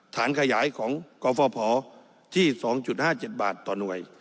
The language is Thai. ฐานขยายของกฟภที่๒๕๗บาทต่อหน่วย